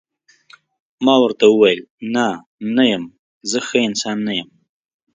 ما ورته وویل: نه، نه یم، زه ښه انسان نه یم.